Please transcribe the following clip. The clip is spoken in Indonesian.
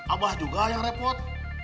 abah juga yang repot